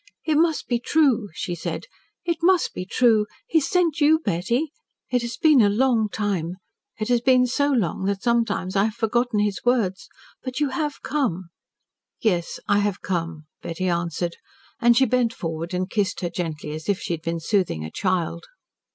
"It must be true," she said. "It must be true. He has sent you, Betty. It has been a long time it has been so long that sometimes I have forgotten his words. But you have come!" "Yes, I have come," Betty answered. And she bent forward and kissed her gently, as if she had been soothing a child.